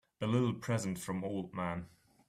A little present from old man.